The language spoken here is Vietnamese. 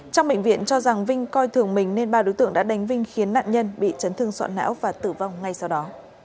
trong bệnh viện cho rằng vinh coi thường mình nên ba đối tượng đã đánh vinh khiến nạn nhân bị chấn thương sọ não và tử vong ngay sau đó